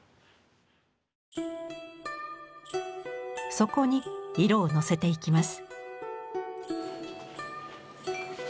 そこに色をのせていきます。